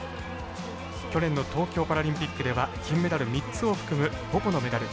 去年の東京パラリンピックでは金メダル３つを含む５個のメダル。